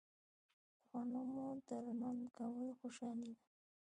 د غنمو درمند کول خوشحالي ده.